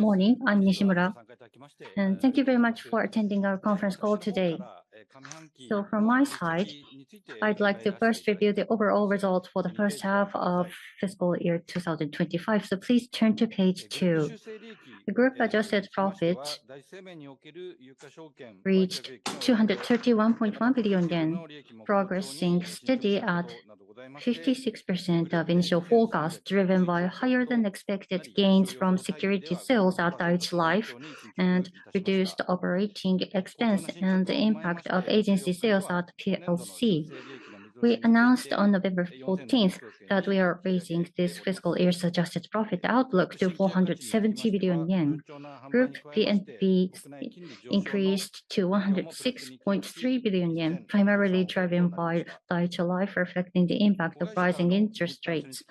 Morning, I'm Nishimura. Thank you very much for attending our conference call today. From my side, I'd like to first review the overall results for the first half of fiscal year 2025. Please turn to page 2. The group adjusted profit reached 231.1 billion yen, progressing steady at 56% of initial forecast, driven by higher-than-expected gains from security sales at Dai-ichi Life and reduced operating expense and the impact of agency sales at PLC. We announced on November 14th that we are raising this fiscal year's adjusted profit outlook to 470 billion yen. Group VNB increased to 106.3 billion yen, primarily driven by Dai-ichi Life affecting the impact of rising interest rates.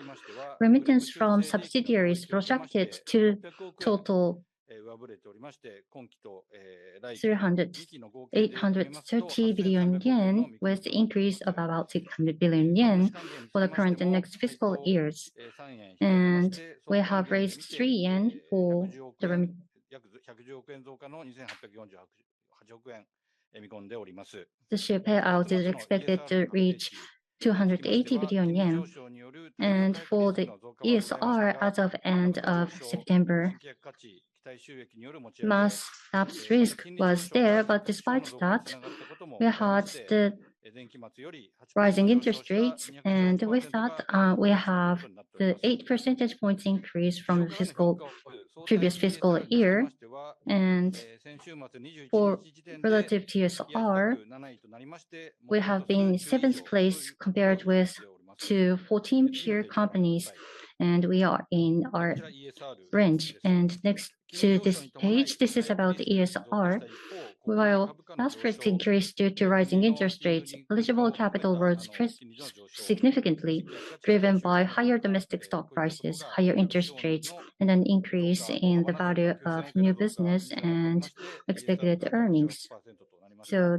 Remittance from subsidiaries projected to total 830 billion yen, with the increase of about 600 billion yen for the current and next fiscal years. We have raised 3 yen for the share payout, expected to reach 280 billion yen. For the ESR, as of the end of September, mass lapse risk was there, but despite that, we had the rising interest rates, and with that, we have the 8 percentage points increase from the previous fiscal year. For relative to ESR, we have been 7th place compared with 14 peer companies, and we are in our range. Next to this page, this is about the ESR. While lapse risk increased due to rising interest rates, eligible capital rose significantly, driven by higher domestic stock prices, higher interest rates, and an increase in the value of new business and expected earnings.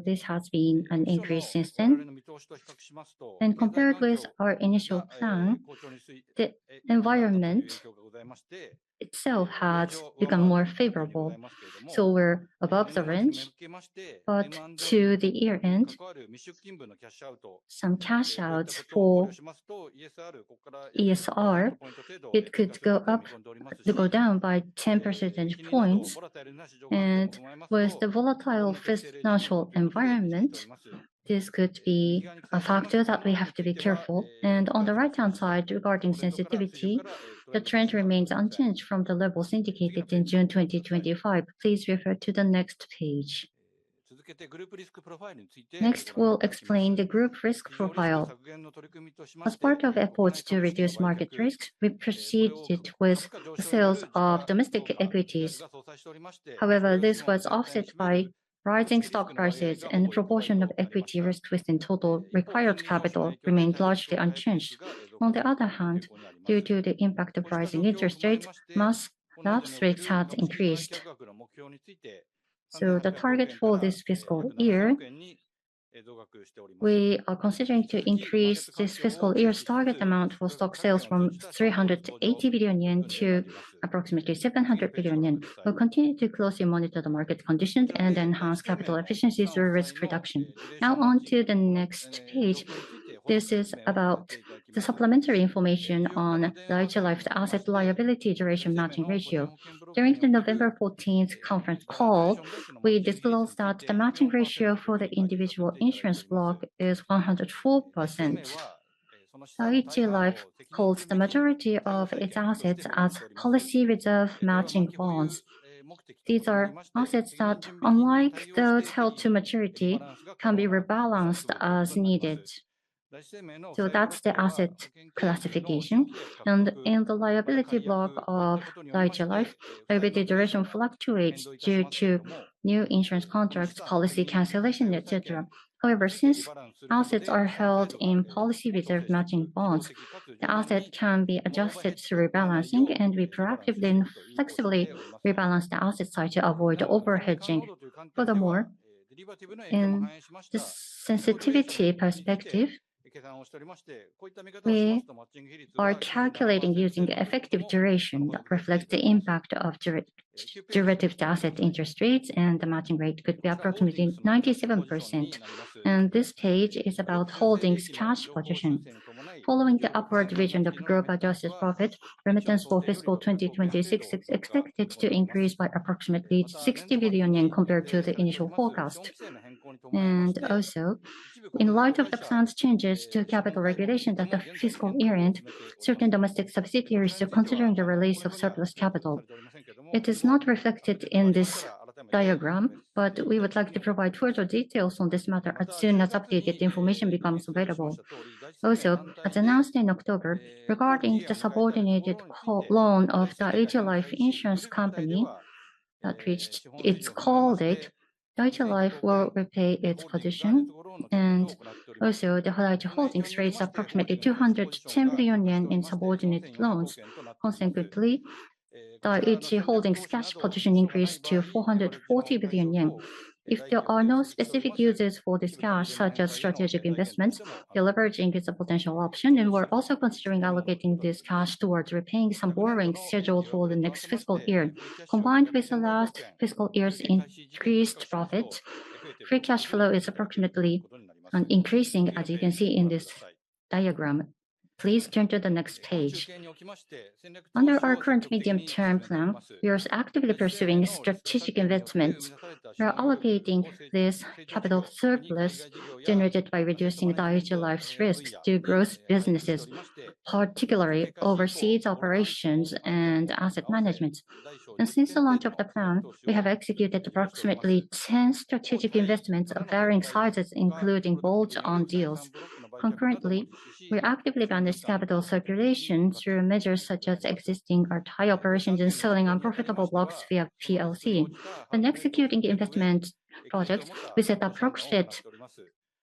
This has been an increase since then. Compared with our initial plan, the environment itself has become more favorable. We're above the range, but to the year-end, some cash-out for ESR, it could go up, could go down by 10 percentage points. With the volatile fiscal environment, this could be a factor that we have to be careful. On the right-hand side, regarding sensitivity, the trend remains unchanged from the levels indicated in June 2025. Please refer to the next page. Next, we'll explain the group risk profile. As part of the efforts to reduce market risk, we proceeded with the sales of domestic equities. However, this was offset by rising stock prices, and the proportion of equity risk within total required capital remained largely unchanged. On the other hand, due to the impact of rising interest rates, mass debt rates had increased. The target for this fiscal year, we are considering to increase this fiscal year's target amount for stock sales from 380 billion yen to approximately 700 billion yen. We'll continue to closely monitor the market conditions and enhance capital efficiencies through risk reduction. Now, on to the next page. This is about the supplementary information on Dai-ichi Life's asset liability duration matching ratio. During the November 14 conference call, we disclosed that the matching ratio for the individual insurance block is 104%. Dai-ichi Life holds the majority of its assets as policy reserve matching bonds. These are assets that, unlike those held to maturity, can be rebalanced as needed. That's the asset classification. In the liability block of Dai-ichi Life, liability duration fluctuates due to new insurance contracts, policy cancellation, etc. However, since assets are held in policy reserve matching bonds, the asset can be adjusted through rebalancing, and we proactively and flexibly rebalance the asset side to avoid over-hedging. Furthermore, in the sensitivity perspective, we are calculating using effective duration that reflects the impact of derivative asset interest rates, and the matching rate could be approximately 97%. This page is about holdings cash position. Following the upward revision of the group adjusted profit, remittance for fiscal 2026 is expected to increase by approximately 60 billion yen compared to the initial forecast. Also, in light of the planned changes to capital regulation at the fiscal year-end, certain domestic subsidiaries are considering the release of surplus capital. It is not reflected in this diagram, but we would like to provide further details on this matter as soon as updated information becomes available. Also, as announced in October, regarding the subordinated loan of Dai-ichi Life Insurance Company that reached its call date, Dai-ichi Life will repay its position. Also, Dai-ichi Life Holdings raised approximately 210 billion yen in subordinated loans. Consequently, Dai-ichi Holdings' cash position increased to 440 billion yen. If there are no specific uses for this cash, such as strategic investments, the leveraging is a potential option, and we're also considering allocating this cash towards repaying some borrowing scheduled for the next fiscal year. Combined with the last fiscal year's increased profit, free cash flow is approximately increasing, as you can see in this diagram. Please turn to the next page. Under our current medium-term plan, we are actively pursuing strategic investments. We are allocating this capital surplus generated by reducing Dai-ichi Life's risk to growth businesses, particularly overseas operations and asset management. Since the launch of the plan, we have executed approximately 10 strategic investments of varying sizes, including bulge-on deals. Concurrently, we actively manage capital circulation through measures such as existing or tight operations and selling unprofitable blocks via PLC. When executing investment projects, we set appropriate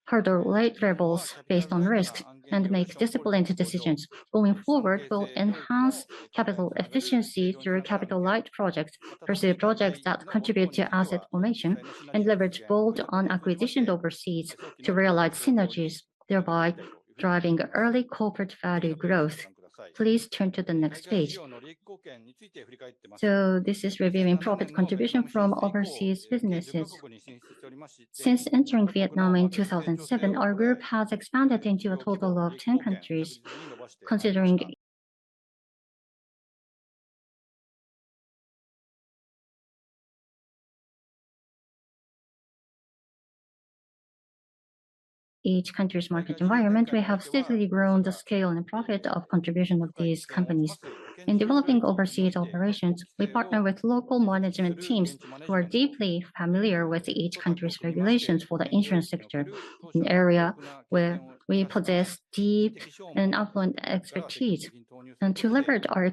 harder light variables based on risk and make disciplined decisions. Going forward, we'll enhance capital efficiency through capital light projects, pursue projects that contribute to asset formation, and leverage bulge-on acquisitions overseas to realize synergies, thereby driving early corporate value growth. Please turn to the next page. This is reviewing profit contribution from overseas businesses. Since entering Vietnam in 2007, our group has expanded into a total of 10 countries. Considering each country's market environment, we have steadily grown the scale and profit of contribution of these companies. In developing overseas operations, we partner with local management teams who are deeply familiar with each country's regulations for the insurance sector, an area where we possess deep and affluent expertise. To leverage our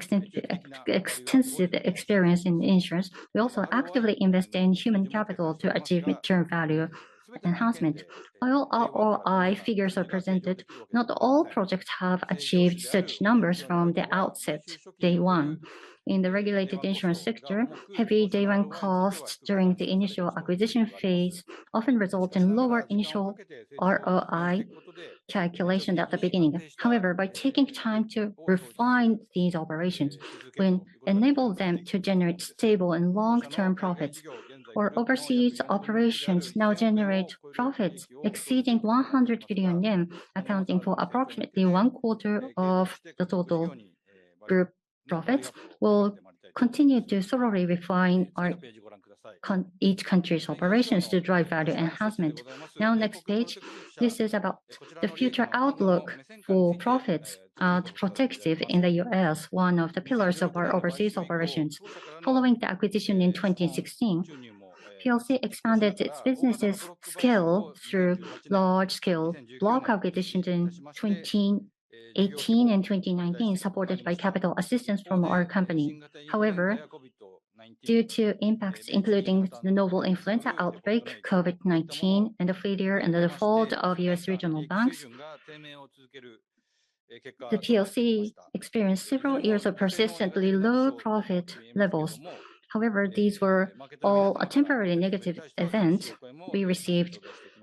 extensive experience in insurance, we also actively invest in human capital to achieve mid-term value enhancement. While ROI figures are presented, not all projects have achieved such numbers from the outset, day one. In the regulated insurance sector, heavy day-one costs during the initial acquisition phase often result in lower initial ROI calculation at the beginning. However, by taking time to refine these operations, we enable them to generate stable and long-term profits. Our overseas operations now generate profits exceeding 100 billion yen, accounting for approximately one quarter of the total group profits. We will continue to thoroughly refine each country's operations to drive value enhancement. Now, next page. This is about the future outlook for profits at Protective in the U.S., one of the pillars of our overseas operations. Following the acquisition in 2016, PLC expanded its business's scale through large-scale block acquisitions in 2018 and 2019, supported by capital assistance from our company. However, due to impacts, including the novel influenza outbreak, COVID-19, and the failure and the default of U.S. regional banks, PLC experienced several years of persistently low profit levels. However, these were all a temporary negative event. We received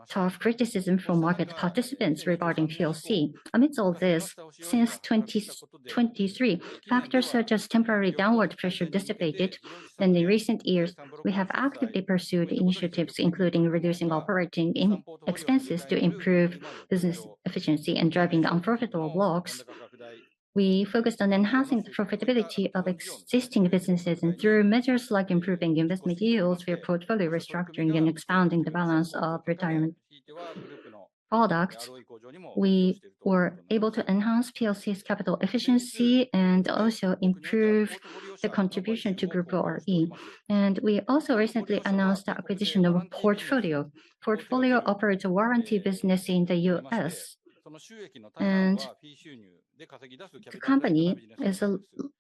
tough criticism from market participants regarding Protective Life Corporation. Amidst all this, since 2023, factors such as temporary downward pressure dissipated. In the recent years, we have actively pursued initiatives, including reducing operating expenses to improve business efficiency and driving unprofitable blocks. We focused on enhancing the profitability of existing businesses, and through measures like improving investment yields, re-portfolio restructuring, and expanding the balance of retirement products, we were able to enhance PLC's capital efficiency and also improve the contribution to group ROE. We also recently announced the acquisition of a portfolio operator warranty business in the U.S. The company is a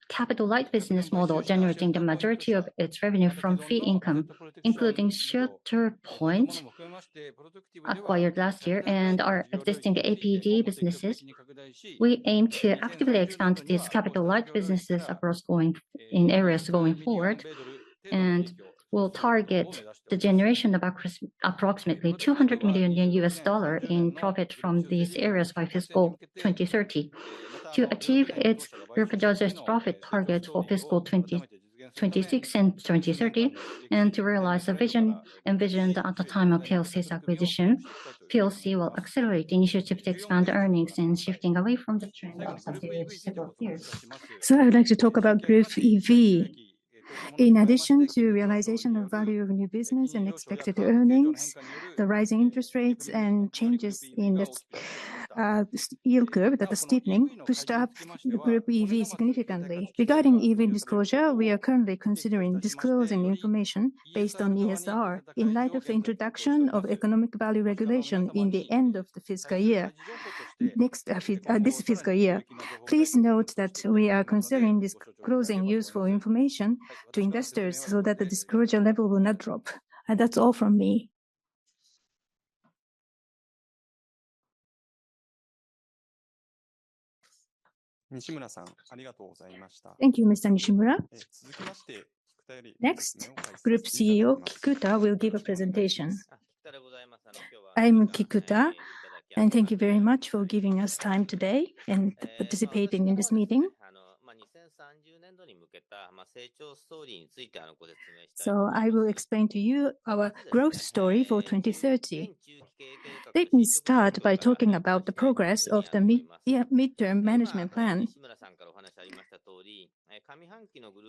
capital-light business model, generating the majority of its revenue from fee income, including ShelterPoint acquired last year and our existing APD businesses. We aim to actively expand these capital-light businesses across areas going forward, and we will target the generation of approximately $200 million in profit from these areas by fiscal 2030 to achieve its group adjusted profit targets for fiscal 2026 and 2030, and to realize the vision envisioned at the time of PLC's acquisition. PLC will accelerate initiatives to expand earnings and shifting away from the trend of subsidiaries several years. I would like to talk about Group EV. In addition to realization of value of new business and expected earnings, the rising interest rates and changes in the yield curve that are steepening pushed up the Group EV significantly. Regarding EV disclosure, we are currently considering disclosing information based on ESR in light of the introduction of economic value regulation in the end of this fiscal year. Please note that we are considering disclosing useful information to investors so that the disclosure level will not drop. That is all from me. Thank you, Mr. Nishimura. Next, Group CEO Kikuta will give a presentation. I am Kikuta, and thank you very much for giving us time today and participating in this meeting. I will explain to you our growth story for 2030. Let me start by talking about the progress of the mid-term management plan.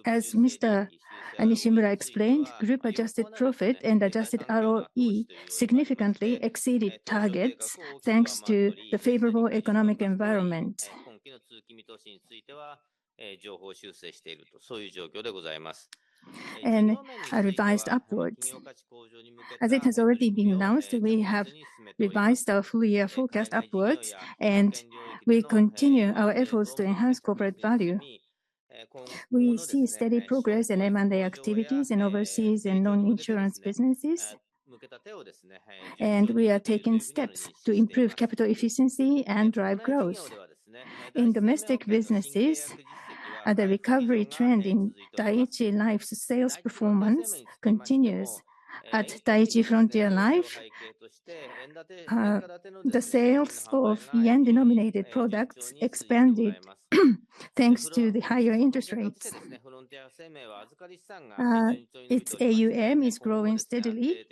As Mr. Nishimura explained, group adjusted profit and adjusted ROE significantly exceeded targets thanks to the favorable economic environment. As it has already been announced, we have revised our full-year forecast upwards, and we continue our efforts to enhance corporate value. We see steady progress in M&A activities in overseas and non-insurance businesses, and we are taking steps to improve capital efficiency and drive growth. In domestic businesses, the recovery trend in Dai-ichi Life's sales performance continues. At Dai-ichi Frontier Life, the sales of yen-denominated products expanded thanks to the higher interest rates. Its AUM is growing steadily,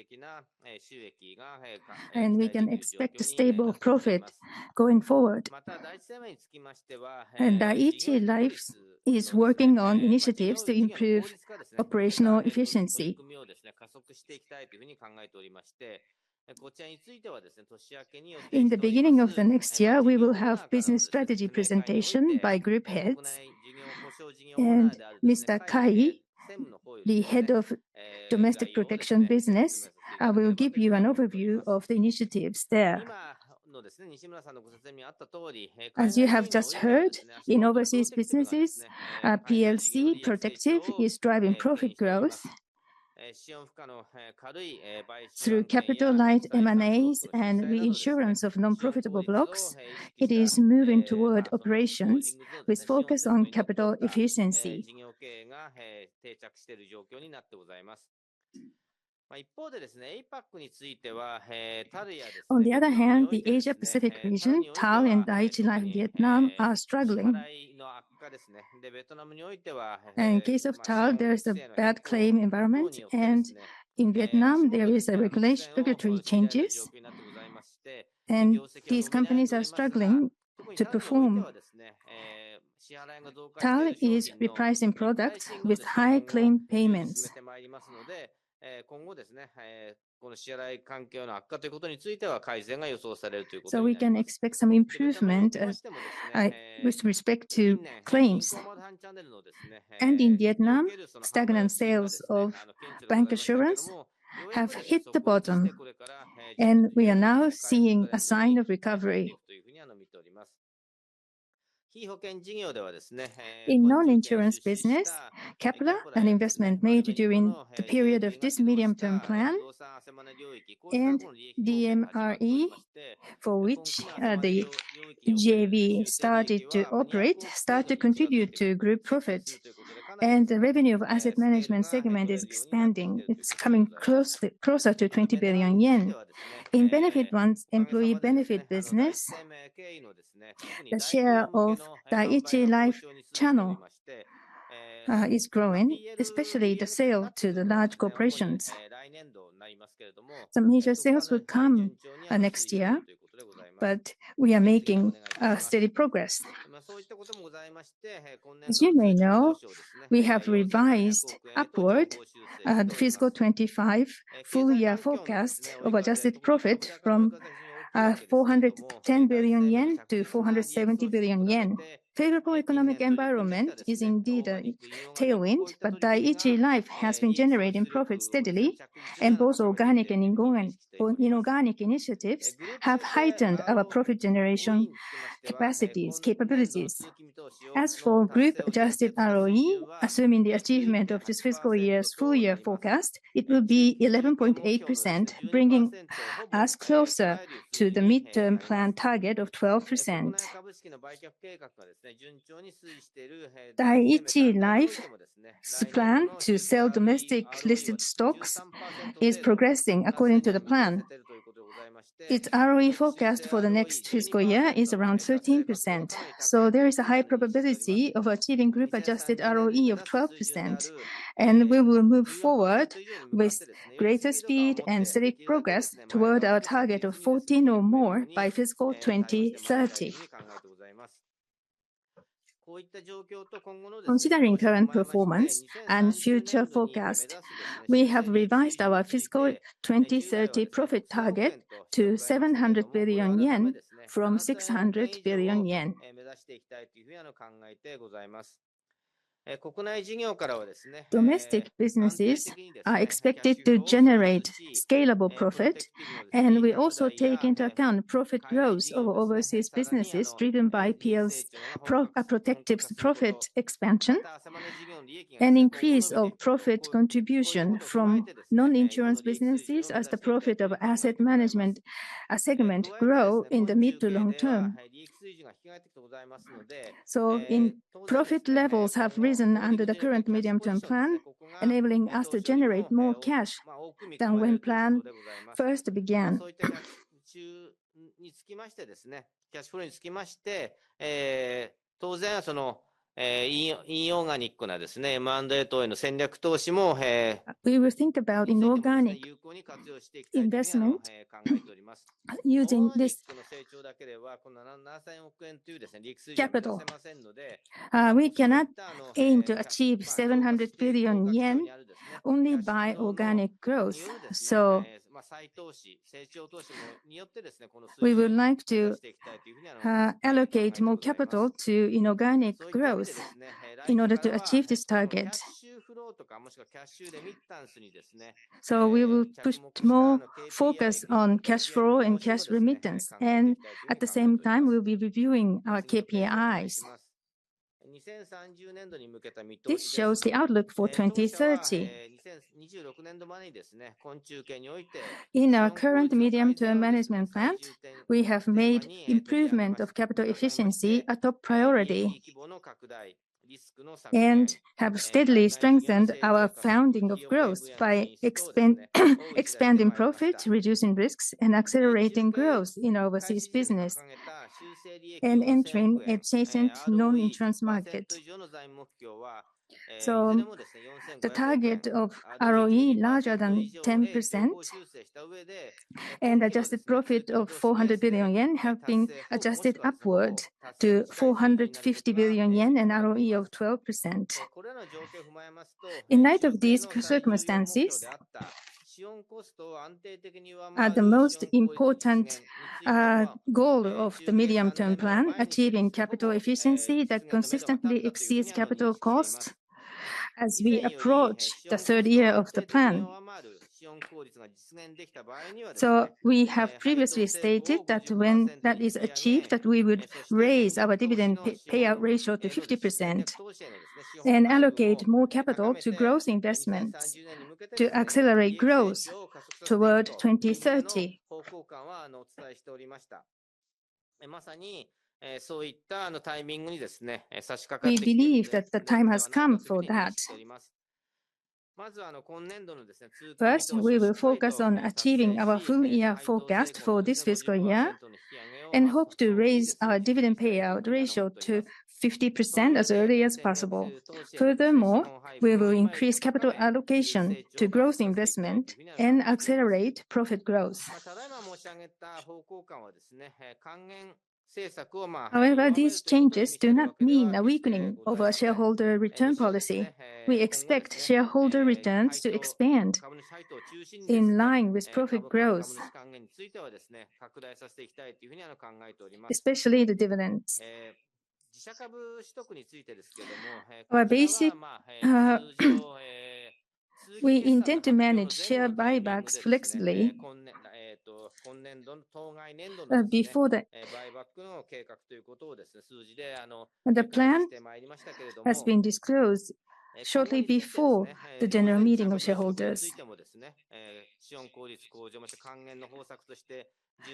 and we can expect a stable profit going forward. Dai-ichi Life is working on initiatives to improve operational efficiency. In the beginning of the next year, we will have a business strategy presentation by group heads, and Mr. Kai, the Head of Domestic Protection Business, will give you an overview of the initiatives there. As you have just heard, in overseas businesses, PLC is driving profit growth through capital-light M&As and reinsurance of non-profitable blocks. It is moving toward operations with focus on capital efficiency. On the other hand, the Asia-Pacific region, TAL and Dai-ichi Life Vietnam are struggling. In case of TAL, there is a bad claim environment, and in Vietnam, there are regulatory changes, and these companies are struggling to perform. TAL is repricing products with high claim payments. We can expect some improvement with respect to claims. In Vietnam, stagnant sales of bancassurance have hit the bottom, and we are now seeing a sign of recovery. In non-insurance business, capital and investment made during the period of this medium-term plan, and DMRE, for which the EJV started to operate, start to contribute to group profit. The revenue of the asset management segment is expanding. It is coming closer to 20 billion yen. In Benefit One's employee benefit business, the share of Dai-ichi Life channel is growing, especially the sale to the large corporations. Some major sales will come next year, but we are making steady progress. As you may know, we have revised upward the fiscal 2025 full-year forecast of adjusted profit from 410 billion yen to 470 billion yen. Favorable economic environment is indeed a tailwind, but Dai-ichi Life has been generating profits steadily, and both organic and inorganic initiatives have heightened our profit generation capacities, capabilities. As for group adjusted ROE, assuming the achievement of this fiscal year's full-year forecast, it will be 11.8%, bringing us closer to the mid-term plan target of 12%. Dai-ichi Life's plan to sell domestic listed stocks is progressing according to the plan. Its ROE forecast for the next fiscal year is around 13%. There is a high probability of achieving group adjusted ROE of 12%, and we will move forward with greater speed and steady progress toward our target of 14% or more by fiscal 2030. Considering current performance and future forecast, we have revised our fiscal 2030 profit target to 700 billion yen from 600 billion yen. Domestic businesses are expected to generate scalable profit, and we also take into account profit growth of overseas businesses driven by Protective's profit expansion and increase of profit contribution from non-insurance businesses as the profit of asset management segment grows in the mid to long term. Profit levels have risen under the current medium-term plan, enabling us to generate more cash than when plan first began. We will think about inorganic investment to allocate more capital to income remittence, and at the same time, we will be reviewing our KPIs. This shows the outlook for 2030. In our current medium-term management plan, we have made improvement of capital efficiency a top priority and have steadily strengthened our founding of growth by expanding profits, reducing risks, and accelerating growth in overseas business, and entering adjacent non-insurance markets. The target of ROE larger than 10% and adjusted profit of 400 billion yen have been adjusted upward to 450 billion yen and ROE of 12%. In light of these circumstances, the most important goal of the medium-term plan is achieving capital efficiency that consistently exceeds capital costs as we approach the third year of the plan. We have previously stated that when that is achieved, we would raise our dividend payout ratio to 50% and allocate more capital to growth investments to accelerate growth toward 2030. We believe that the time has come for that. First, we will focus on achieving our full-year forecast for this fiscal year and hope to raise our dividend payout ratio to 50% as early as possible. Furthermore, we will increase capital allocation to growth investment and accelerate profit growth. However, these changes do not mean a weakening of our shareholder return policy. We expect shareholder returns to expand in line with profit growth, especially the dividends.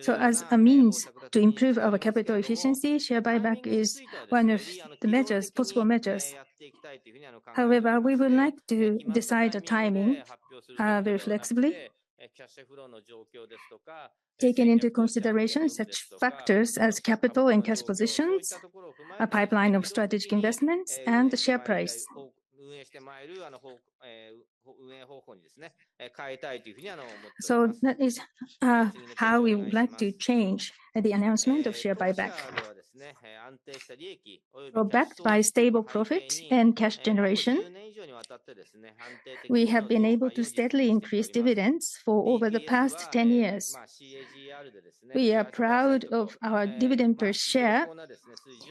As a means to improve our capital efficiency, share buyback is one of the possible measures. However, we would like to decide the timing very flexibly, taking into consideration such factors as capital and cash positions, a pipeline of strategic investments, and the share price. That is how we would like to change the announcement of share buyback, backed by stable profits and cash generation. We have been able to steadily increase dividends for over the past 10 years. We are proud of our dividend per share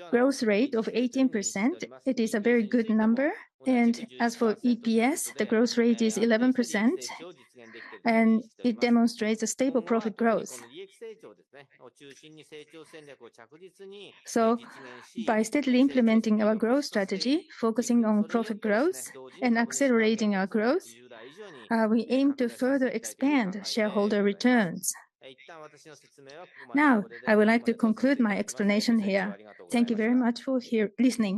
growth rate of 18%. It is a very good number. As for EPS, the growth rate is 11%, and it demonstrates a stable profit growth. By steadily implementing our growth strategy, focusing on profit growth and accelerating our growth, we aim to further expand shareholder returns. Now, I would like to conclude my explanation here. Thank you very much for listening.